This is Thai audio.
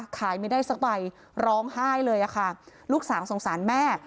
ขายไม่ได้สักใบร้องไห้เลยค่ะลูกสาวสงสารแม่